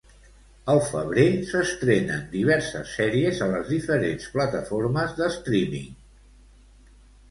Al febrer s'estrenen diverses sèries a les diferents plataformes de streaming.